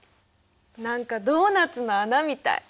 何かドーナツの穴みたい。